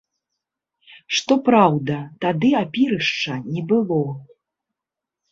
Што праўда, тады апірышча не было.